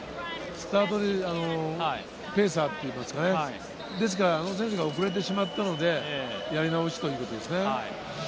スタートでペーサーといいますか、あの選手が遅れてしまったので、やり直しということですね。